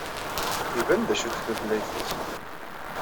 Iban d acu-tt tutlayt-nsen.